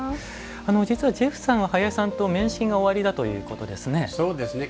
実はジェフさんは林さんはご面識がおありだということですね。